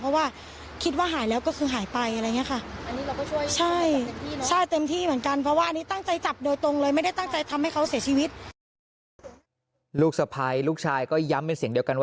เพราะว่าคิดว่าหายแล้วก็คือหายไปอะไรอย่างนี้ค่ะ